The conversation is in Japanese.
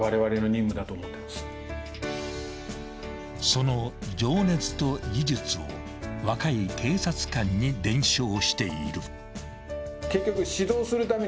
［その情熱と技術を若い警察官に伝承している］